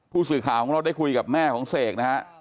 ผู้สื่อข่าวของเราได้คุยกับแม่ของเสกนะฮะ